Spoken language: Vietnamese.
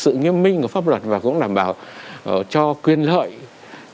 để đảm bảo sự nghiêm minh của pháp luật và cũng đảm bảo cho quyền lợi cho cái người xem phim này sau đó